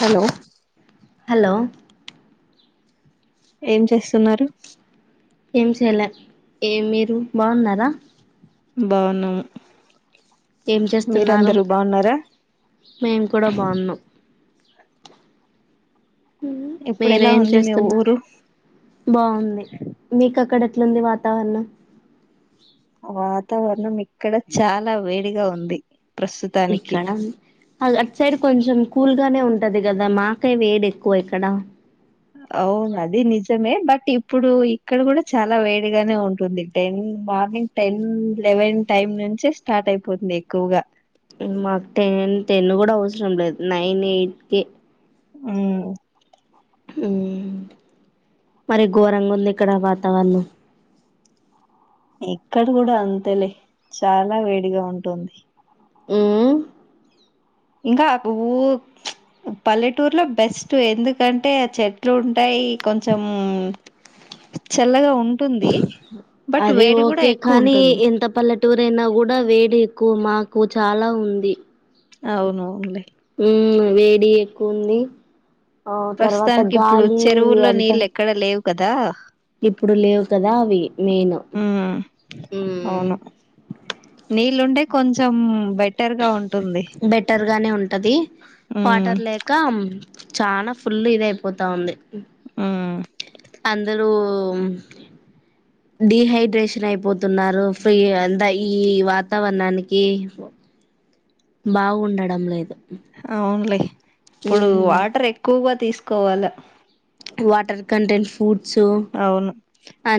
Hello hello ఏం చేస్తున్నారు ఏం చేయలే ఏ మీరు బాగున్నారా బావున్నాము ఏం చేస్తున్నారు మేము కూడా బాగున్నాం ఇప్పుడు ఎలా మీరేం ఉంది మీ చేస్తున్నారు ఊరు బాగుంది మీకు అక్కడ ఎట్లుంది వాతావరణం వాతావరణం ఇక్కడ చాలా వేడిగా ఉంది ప్రస్తుతానికి ఇక్కడం అ అటు సైడ్ కొంచం కూల్ గానే ఉంటది కదా మాకే వేడి ఎక్కువ ఇక్కడ అవును అది నిజమే బట్ బట్ ఇప్పుడు ఇక్కడ కూడా చాలా వేడిగానే ఉంటుంది ten morning ten eleven time నుంచే స్టార్ట్ అయిపోతుంది ఎక్కువగా మాకు టెన్ టెన్ కూడా అవసరం లేదు నైన్ ఎయిట్ క ఉమ్ ఉమ్ మరి ఘోరంగా ఉంది ఇక్కడ వాతావరణం ఇక్కడ కూడా అంతేలే చాలా వేడిగా ఉంటుంది ఉమ్ ఇంకా ఊ ప్చ్ పల్లెటూరులో బెస్ట్ ఎందుకంటే ఆ చెట్లు ఉంటాయి కొంచెం చల్లగా ఉంటుంది బట్ అదే వేడి కూడా ఓకే ఎక్కువ కానీ ఉంటుంది ఎంత పల్లె టూర్ అయినా కూడా వేడి కు మాకు చాలా ఉంది అవును అవునులే ఉమ్ వేడి ఎక్కువ ఉంది ఆ తర్వాత ప్రస్తుతానికి ఇప్పుడు గాలి చెరువుల్లో అంత నీళ్ళు ఎక్కడ లేవు కదా ఇప్పుడు లేవు కదా అవి మెయిన్ ఉమ్ ఉమ్ అవును నీళ్ళుంటే కొంచెం బెటర్ గా ఉంటుంది బెటర్ గానే ఉంటది ఉమ్ వాటర్ లేక చానా ఫుల్ ఇదయిపోతాంది ఉమ్ అందరూ డిహైడ్రేషన్ అయిపోతున్నారు ఫీ అంత ఈ వాతావరణానికి బాగుండడం లేదు అవునులే! ఇప్పుడు ఉమ్ వాటర్ ఎక్కువగా తీస్ పోవాలా వాటర్ కంటెంట్ ఫుడ్ అవును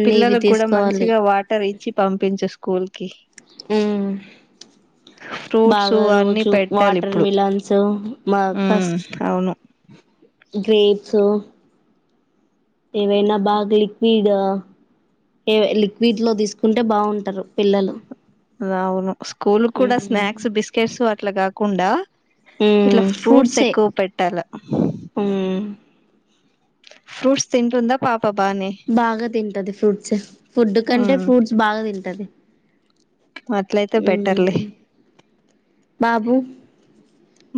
పిల్లలక్కూడా తీసుకోవాలి మంచిగా వాటర్ ఇచ్చి పంపించస్ స్కూల్ కి హుమ్ ఫ్రూట్స్ బాగా అన్ని రోజూ పెట్టాలి వాటర్ ఇప్పుడు మిలాన్స్ [unintelligible] అవును గ్రేప్స్ ఏవైనా బాగా లిక్విడ్ ఏ లిక్విడ్ లో తీసుకుంటే బావుంటారు పిల్లలు [unintelligible] అవును స్కూల్ కూడా మ్మ్ స్నాక్స్ బిస్కెట్స్ అట్ల గా కుండా ఇట్లా మ్మ్ ఫ్రూట్స్ ఫ్రూట్సే ఎక్కువ పెట్టాల మ్మ్ ఫ్రూట్స్ తింటుందా పాప బానే బాగా తింటది ఫ్రూట్స్ ఫుడ్ కంటే ఫ్రూట్స్ బాగా తిం టది ఆట్లయితే బెటర్లే బాబు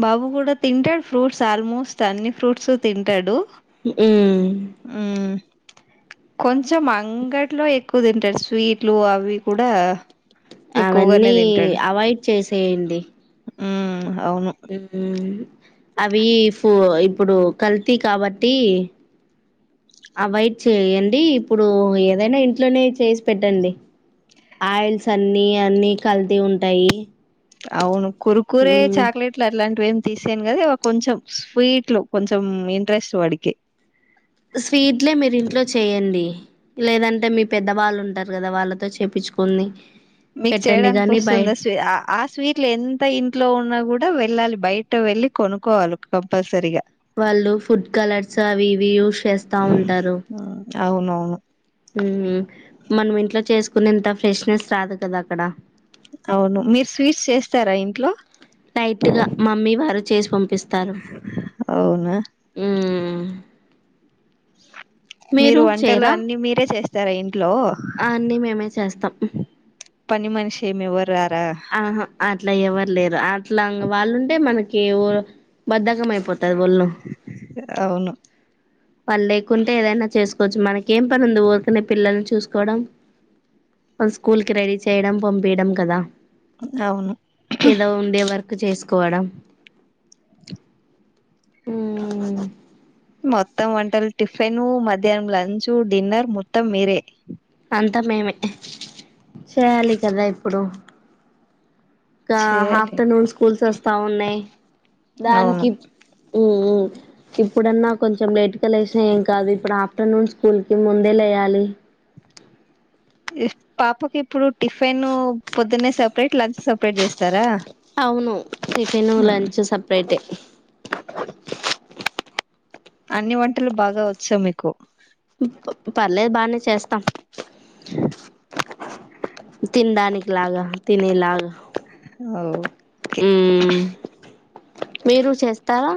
బాబు కూడా తింటాడు ఫ్రూట్స్ ఆల్మోస్ట్ అన్ని ఫ్రూట్స్ తింటాడు ఉమ్మ్ ఉమ్ కొంచెం అంగట్లో ఎక్కువ తింటారు స్వీట్లు అవి కూడా ఎక్కువగానే అవన్నీ తింటాడు అవాయిడ్ చేసేయండి ఉమ్ అవును ఉమ్ అవి ఫో [unintelligible] ఇప్పుడు కల్తీ కాబట్టి అవాయిడ్ చేయండి ఇప్పుడు ఏదైనా ఇంట్లోనే చేసి పెట్టండి ఆయిల్స్ అన్నీ అన్ని కల్తీ ఉంటాయి అవును కురుకురే మ్మ్. చాక్లెట్లు అట్లాంటివేం తీసీను కాదీ కొంచెం స్వీట్ లో కొంచెం ఇంట్రెస్ట్ వాడికి స్వీట్లే మీరు ఇంట్లో చేయండి లేదంటే మీ పెద్దవాళ్ళు ఉంటారు కదా వాళ్ళతో చేపిచ్చుకొని మీకు చేయడానికి వస్తుంది స్వీ ఆ స్వీట్లు ఎంత ఇంట్లో ఉన్నా కూ డా వెళ్ళాలి బయట వెళ్ళి కొనుక్కోవాలి కంపల్సరిగా వాళ్ళు ఫుడ్ కలర్స్ అవి ఇవి యూస్ చేస్తా ఉంటారు అవునవును ఉమ్ మనం ఇంట్లో చేసుకునే ఇంత ఫ్రెష్నెస్ రాదు కదా అక్కడ అవును మీరు స్వీట్స్ చేస్తారా ఇంట్లో లైట్గా మమ్మీ వారు చేసి పం పిస్తారు అవునా ఆ మీరు వంటలు అన్ని మీరే చేస్త సరేం అ అన్ని మేమే చేస్తాం మషే మీవ ఆహా అట్లా ఎవరు లేరు అట్లా వాళ్ళుంటే మనకి బద్దకం అయిపోతుంది అవును పని లేకుంటే ఏదైనా చేసుకోవచ్చు మనకి ఇకేం పనింది ఊరుకునే పిల్లల్ని చూసుకోవడం స్కూల్ కి రెడీ చేయడం పంపయడం కదా అవును కు చేసుకోవడం అ మొత్తం వంటారు టిఫిన్ మధ్యాహ్నం లంచ్ డిన్నర్ మొత్తం మీరే అంత మేమిే చేయాలి కదా ఇప్పుడు ఇకా చేయాలి హాఫ్టర్నూన్ స్కూల్స్ వస్తా ఉన్నాయి అవును దానికి ఇప్పుడన్నా కొంచెం లేట్గా లేసిన ఏం కాదు ఇప్పుడు ఆఫ్టర్నూన్ స్కూల్ కి ముందే లేయాలి పాపకి ఇప్పుడు టిఫిన్ పొద్దున్న సపరేట్ లంచ్ సపరేట్ చేస్తారా అవును టిఫిన్ హ్మ్. లంచ్ సపరేట్ అన్ని వంటలు బాగా వచ్చా మీకు ఇ పర్లేదు బాగానే చేస్తాం అ తిిన దానికినికి లాగా తిిన లాగా ఓకే మీరు చేస్తారా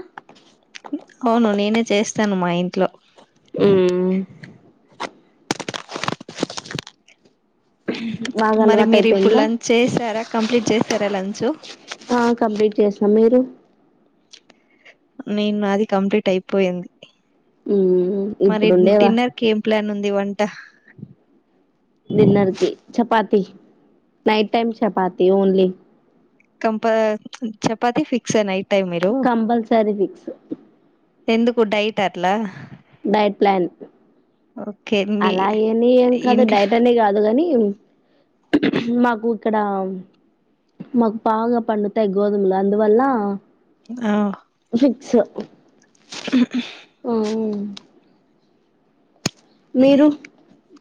స్తాను మా ఇంట్లో ఆ బాగా మరి అలవాటు మీరు ఇప్పుడు అయిపోయిందా లంచ్ చేసారా కంప్లీట్ చేసారా లంచ్ సమేరు నేను అది కంప్లీట్ అయిపోయింది మ్మ్ మరి ఇప్పుడుండేవా డిన్నర్కి ఏం ప్లాన్ ఉంది వంట డిన్నర్కి chapati night time chapati only కంపా చపాతి ఫిక్స్ నై కంపల్సరి ఫిక్స్ ఎందుకు డైటట్లా డైట్ ప్లాన్ ఓకే మీ అలా ఏని ఏం కాదు ఇంట్లో డైట్ అనే కాదు గనీ మాకు ఇక్కడ మాకు పావుగా పండుతయి గోధుములు అందువల్ల ఆ ఓ మీరు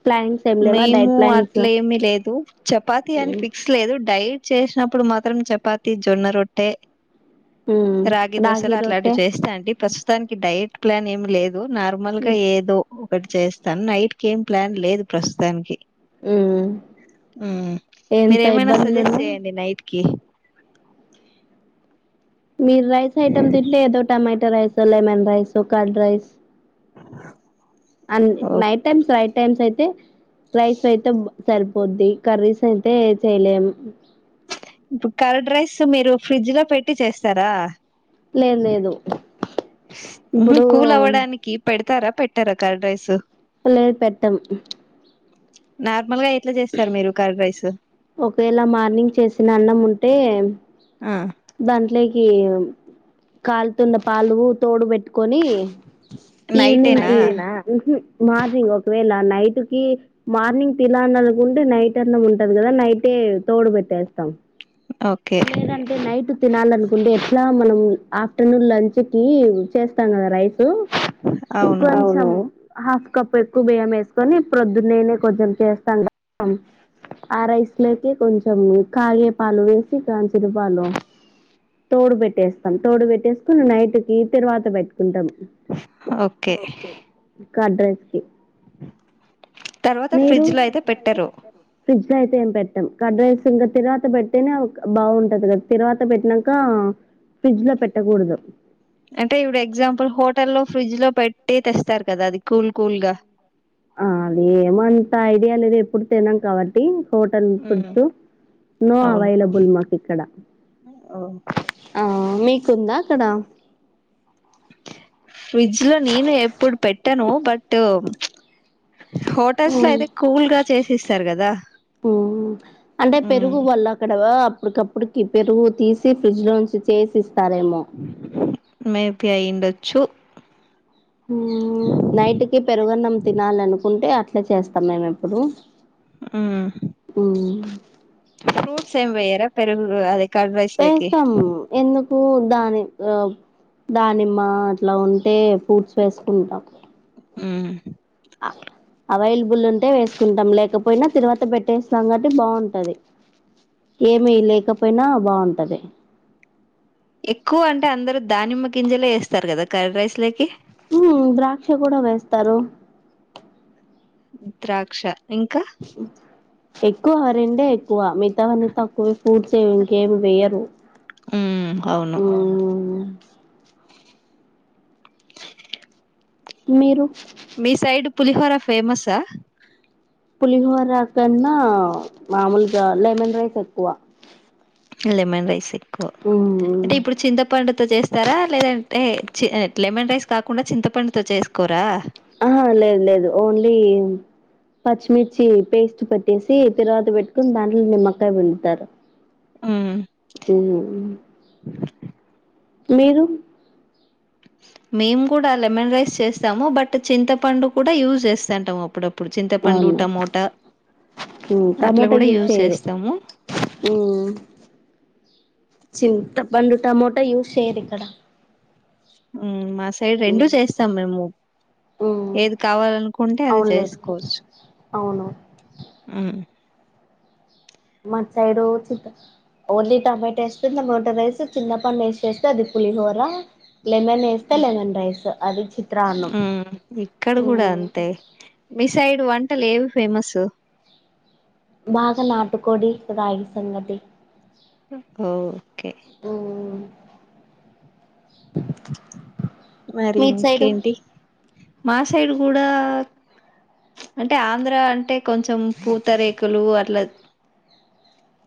ప్లానింగ్స్ ఏం లేవా మేము డైట్ ప్లానింగ్స్ అట్ల ఏమి లేదు చపాతి అని ఫిక్స్ లేదు డైట్ చేసినప్పుడు మాత్రం చపాతి, జొన్న రొట్టె హ్మ్ రాగి దోశలు రొట్టె అట్లాంటివి చేస్తా అండి ప్రస్తుతానికి డైట్ ప్లాన్ ఏం లేద్ నార్మల్గా ఏదో టి చేస్తాను నైట్కి ఏం ప్లాన్ లేదు. ప్రస్తుతానికి మ్మ్ ఆ ఎంత మీరేమైనా సజెస్ట్ ఇబ్బందులున్నా చేయండి నైట్ కి మీరు రైస్ ఐటమ్ తిట్ ఏదో టమాటో రైసో, లెమన్ రైసో, కార్డ్ రైస్ అ ఓ నైట్ టైమ్స్ రైట్ టైమ్స్ అయితే రైస్ అయితే సరిపోద్ది కర్రీస్ అయితే చేయలేం కర్డ్ రైస్ మీరు ఫ్రిడ్జ్లో పెట్టి చేస్తారా లేదు లేదు. ఇప్పుడు కూల్ అవ్వడానికి పెడ్ తారా పెట్టరా కర్డ్ రైస్ లేద్ పెట్టం. నార్మల్గా ఒకవేళ మార్నింగ్ చేసిన అన్నం ఉం టే ఆ దాంట్లేయి కాలుతున్న పాలు తోడు పెట్టుకొని నైటేనా ఈవినింగ్కి మార్నింగ్ ఒకవేళ నైటుకి మార్నింగ్ తినా ముందు నైట్ అన్నం ఉంటది కదా నైటే తోడు పెట్టేస్తాం. ఓకే లేరంటే నైట్ తినాలనుకుంటే ఎట్లా మనం ఆఫ్టర్నూన్ లంచ్ కి చేస్తాం కదా రైస్ అవును [unintelligible] హాఫ్ కప్ ఎక్కువ బియ్యం వేసుకొని, ప్పుొద్దున్నేనే కొంచెం చేస్తాం కద ఆ రైస్ లోకి కొంచెం కాగే పాలు వేసి కంఛీనా పాలు తోడు పెట్టేస్తాం, తోడు పెట్టేసుకుని నైట్ కి తిరుబాతు పెట్టుకుంటాం ఓకే కడ్రెస్కి తర్వాత ఫ్రిడ్జ్ లో అయితే పెట్టరు ఫ్రిడ్జ్ లో అయితే ఏం పెట్టాం, కడ్ రైస్ ఇంకా తరువాత పెట్టతేనే బాగుంటంది కదా, తరువాత పెట్టినాక ఫ్రిడ్జ్ లో పెట్టకూడదు. అంటే ఇపుడు ఎగ్జామ్పల్ హోట లో ఫ్రిడ్జ్ లో పెటి తెస్తారు కదా అది కూల్ కూల్గా ఆ అది ఎంఅంతా ఐడియా లేద ఎప్పుడు తీనం కాబట్టి హోటల్ ఉమ్, ఫుడ్తో నో అవును అవైలబుల్ మాకు ఇక్కడ ఓ, ఆ మీకు ఉంద అక్కడ ఫ్రిడ్జ్ లో నేను ఎప్పుడు పెట్టను బట్ హోటల్స్ లో అయితే కూల్గా చేసిస్తారు కదా మ్మ్ అప్పటికప్పుటికి పెరుగు తీసి ఫ్రిడ్జ్ లోంచి చేసి ఇ తారేమో మేపి అయ్యిండోచ్చు కుంటే అట్లే చేస్తాం మేము ఇప్పుడు మ్ ఫ్రూట్స్ ఏమి వేయర పెరుగు అది వేస్తాం ఎందు పు దాని ఉ దానిమ్మ అట్లా ఉంటే ఫ్రూట్స్ వేసుకుంటాం ఉ అవైలబుల్ ఉంటే వేసుకుంటాం, లేకపోయినా తిరువాత పెట్టేస్తాం కాబట్టి బాగుంటది, ఏమి లేకపోయినా బాగుంటది. ఎక్కువ అంటే అందరు దానిమ్మ గింజలే వేస్తారు కదా కర్డ్ రైస్ లోకి ఉ ద్రాక్ష కూడ వేస్తారు ద్రాక్ష ఇంక ఎక్కువ ఆ రెండే ఎక్ ఏక్కువ మిగతావన్నీ తక్కువే ఫుడ్స్ ఏవి ఇంకేమి వేయరు ఉమ్ అవును మిరు మీ సైడ్ పులిహోర ఫేమస్ ఆ పులిహోరకన్నా మాములుగా లెమన్ రైస్ ఎక్కువ లెమన్ రైస్ అంటే ఇప్పుడు చింతపండు చేస్తారా లేదంటే లెమన్ రైస్ కాకుండా చింతపండుతో చేసుకోర ఆ లేదు లేదు ఓన్లీ పచ్చిమిర్చి పేస్ట్ పట్టేసి తిరబాతు పెట్టుకుని దాంట్లో నిమ్మ [unintelligible] బిండుతారు ఉమ్ ఉ మీరు మేము కూడ లెమన్ రైస్ చేస్తాము బట్ చింతపండు కూడ యూస్ చేస్తంటాము అప్పుడప్పుడు ఇప్పుడు చింతపండు అవును టమోట మ్మ్ అట్లా టమోటా కూడా యూస్ చేయరు చేస్తాము చింత పండు టమోటా యూస్ చేయరు ఇక్కడ ఉ మత ఒక సైడ్ రెండు మ్మ్ చేస్తాం మేము మ్మ్ ఏది కావాలనుకుంటే అది అవునులే చేసుకోవచ్చు అవును ఆ మా సైడు చింత ఓన్లీ టమేటో ఎస్త బటర్ రైస్ చిన్నప్పనే ఎస్ వస్తే అది పులిహోర లెమన్ ఏస్తే లెమన్ రైస్ అది చిత్రానం ఉమ్ ఇక్కడ కూడా ఉఉ అంతే మీ సైడ్ వంటలు ఏవి ఫేమస్ బాగా నాటుకోడి రాగి సంగటి ఉ ఓకే మరి మీ సైడు ఇంకేంటి మా సైడ్ కూడా అంటే ఆంధ్ర అంటే కొంచెం పూతరేకులు అట్లా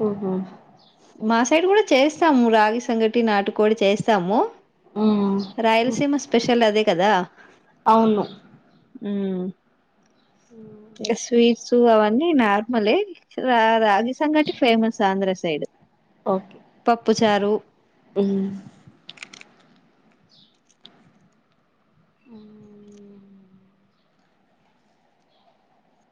ఉహు మా సైడ్ కూడా చేస్తాము రాగి సంగటి నాటుకోడి చేస్తాము మ్మ్ రాయలసీమ స్పెషల్ అదే కదా అవును హ్మ్మ్ ఎస్ వి సూ అవన్నీ నార్మల్ రా రాగి సంగటి ఫేమస్ ఆంధ్ర సైడ్ ఓకే పప్పుచారు ఉ ఉఉఉ ఉ